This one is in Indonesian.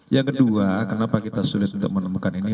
yang kedua kenapa kita sulit untuk menemukan ini